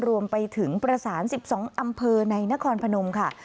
รวมไปถึงประสาน๑๒อำเภอในนครพนมค่ะ